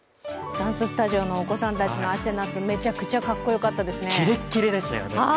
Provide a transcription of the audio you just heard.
ダンススタジオのお子さんたちのダンスめちゃくちゃかっこよかったですね。